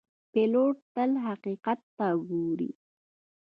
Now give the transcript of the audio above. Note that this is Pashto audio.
پیلوټ تل حقیقت ته ګوري.